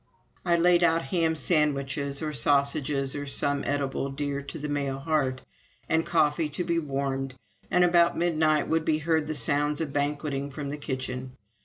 I laid out ham sandwiches, or sausages, or some edible dear to the male heart, and coffee to be warmed, and about midnight could be heard the sounds of banqueting from the kitchen.